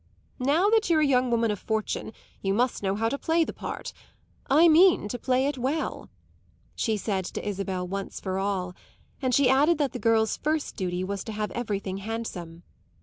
"Now that you're a young woman of fortune you must know how to play the part I mean to play it well," she said to Isabel once for all; and she added that the girl's first duty was to have everything handsome.